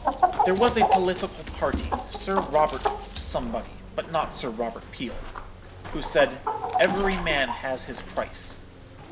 There was a political party, Sir Robert somebody—but not Sir Robert Peel—who said, 'Every man has his price.'